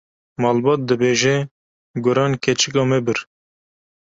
Malbat dibêje: Guran keçika me bir.